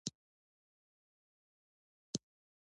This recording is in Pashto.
ایا د هغوی خوب کنټرولوئ؟